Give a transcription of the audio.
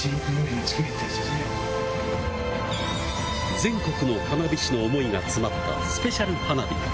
全国の花火師の思いが詰まったスペシャル花火。